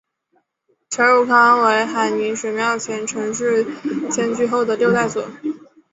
陈汝康为海宁十庙前陈氏迁居后的六代祖。